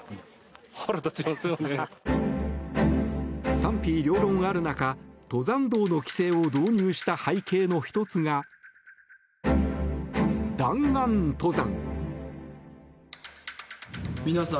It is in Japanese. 賛否両論ある中登山道の規制を導入した背景の１つが弾丸登山。